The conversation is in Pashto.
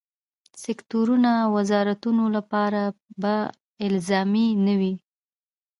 سکټوري وزارتونو لپاره به الزامي نه وي.